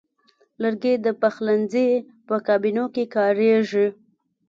لرګی د پخلنځي په کابینو کې کاریږي.